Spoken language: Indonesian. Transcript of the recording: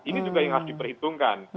ini juga yang harus diperhitungkan